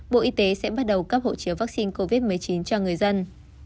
bộ y tế sẽ bắt đầu cấp hộ chiếu vaccine covid một mươi chín cho người dân